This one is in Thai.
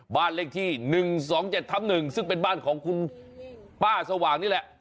บ้านเลขที่๑๒๗ทับ๑ซึ่งเป็นบ้านของคุณป้าสว่างนี่แหละ